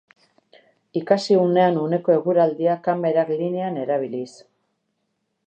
Ikusi unean uneko eguraldia kamerak linean erabiliz.